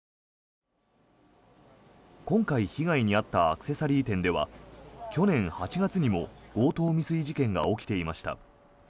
今回、被害に遭ったアクセサリー店では去年８月にも強盗未遂事件が起きていました。